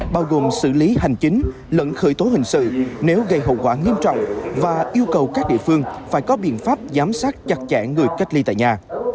bao gồm xử lý hành chính lẫn khởi tố hình sự nếu gây hậu quả nghiêm trọng và yêu cầu các địa phương phải có biện pháp giám sát chặt chẽ người cách ly tại nhà